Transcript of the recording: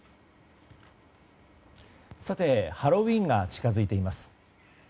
ハロウィーンが近づいています。